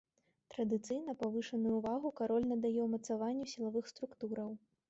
Традыцыйна павышаную ўвагу кароль надае ўмацаванню сілавых структураў.